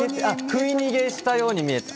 食い逃げしたように見えた。